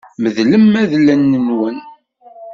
Medlem allen-nwen.